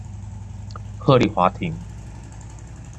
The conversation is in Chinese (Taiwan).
鶴唳華亭